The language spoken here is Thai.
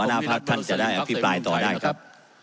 หน้าพักท่านจะได้อภิปรายต่อได้ครับ